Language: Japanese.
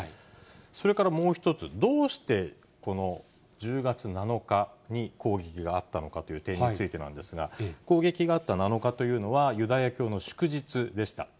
それからもう一つ、どうしてこの１０月７日に攻撃があったのかという点についてなんですが、攻撃があった７日というのは、ユダヤ教の祝日でした。